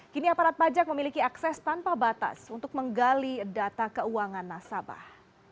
kini aparat pajak memiliki akses tanpa batas untuk menggali data keuangan nasabah